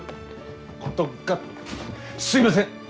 すいません！